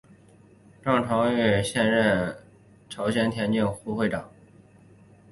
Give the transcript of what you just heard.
郑成玉现任朝鲜田径协会副秘书长。